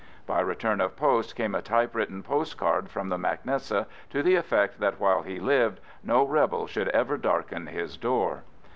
By return of post came a typewritten post card from the mac Nessa to the effect that while he lived no rebel should ever darken his door.